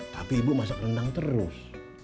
tapi ibu masak rendang terus